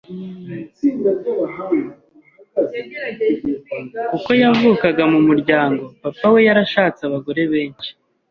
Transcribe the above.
kuko yavukaga mu muryango Papa we yarashatse abagore benshi